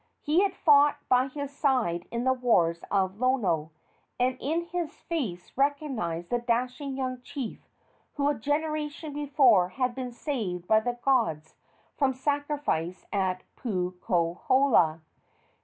He had fought by his side in the wars of Lono, and in his face recognized the dashing young chief who a generation before had been saved by the gods from sacrifice at Puukohola.